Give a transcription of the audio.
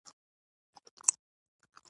هغه د کردانو د اوسیدلو سیمه ده.